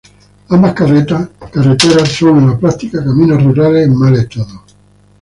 Ambas carreteras son en la práctica caminos rurales en mal estado.